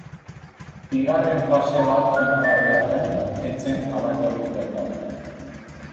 Bigarren fase bat iragarri arren, ez zen halakorik gertatu.